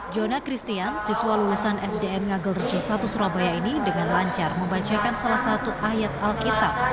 jona christian siswa lulusan sdn ngagel rejo satu surabaya ini dengan lancar membacakan salah satu ayat alkitab